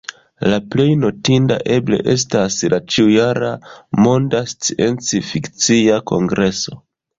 La plej notinda eble estas la ĉiu-jara Monda Sciencfikcia Kongreso.